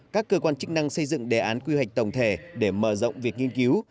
các cơ quan chức năng xây dựng đề án quy hoạch tổng thể để mở rộng việc nghiên cứu